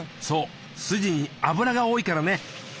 そうスジに脂が多いからね。